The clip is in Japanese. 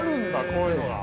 こういうのが。